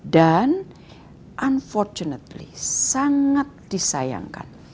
dan unfortunately sangat disayangkan